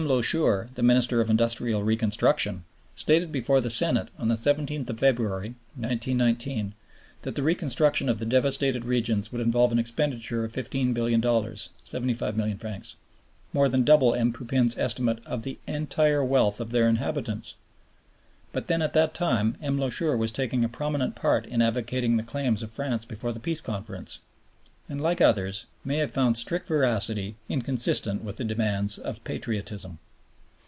Loucheur, the Minister of Industrial Reconstruction, stated before the Senate on the 17th February, 1919, that the reconstitution of the devastated regions would involve an expenditure of $15,000,000,000 (75 milliard francs), more than double M. Pupin's estimate of the entire wealth of their inhabitants. But then at that time M. Loucheur was taking a prominent part in advocating the claims of France before the Peace Conference, and, like others, may have found strict veracity inconsistent with the demands of patriotism.